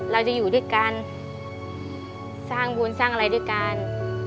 เราจะอยู่ด้วยกันสร้างบุญสร้างอะไรด้วยกัน